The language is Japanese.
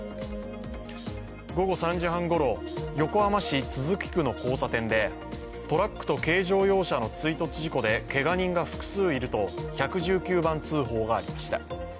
午後３時半ごろ、横浜市都筑区の交差点でトラックと軽乗用車の追突事故でけが人が複数いると１１９番通報がありました。